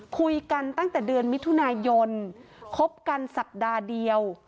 คุยกันตั้งแต่เดือนมิถุนายนคบกันสัปดาห์เดียว